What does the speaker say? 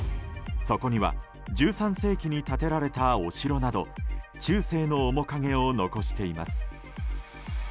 そこには１３世紀に建てられたお城など中世の面影を残しています。